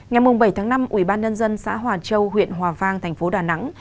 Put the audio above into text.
ngày bảy tháng năm ủy ban nhân dân xã hòa châu huyện hòa vang thành phố đà nẵng